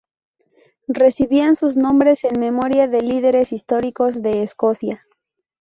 Recibían sus nombres en memoria de líderes históricos de Escocia.